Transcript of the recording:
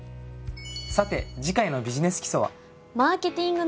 さて次回の「ビジネス基礎」は。